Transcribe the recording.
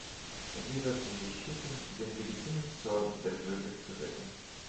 Sie sollten sich hüten, den legitimen Zorn der Bürger zu wecken.